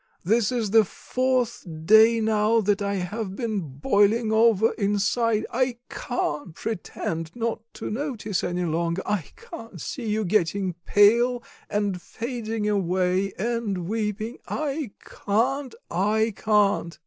this is the fourth day now that I have been boiling over inside; I can't pretend not to notice any longer; I can't see you getting pale, and fading away, and weeping, I can't I can't!"